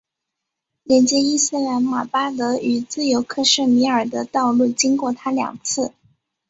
连接伊斯兰马巴德与自由克什米尔的道路经过它两次。